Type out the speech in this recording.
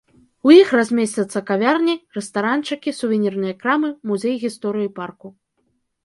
У іх размесцяцца кавярні, рэстаранчыкі, сувенірныя крамы, музей гісторыі парку.